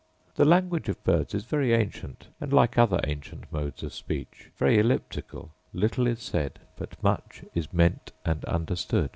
The language of birds is very ancient, and, like other ancient modes of speech, very elliptical: little is said, but much is meant and understood.